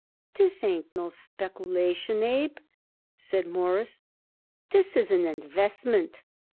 "This ain't no speculation, Abe," said Morris. "This is an investment.